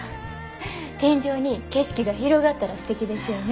天井に景色が広がったらすてきですよね。